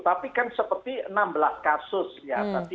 tapi kan seperti enam belas kasus ya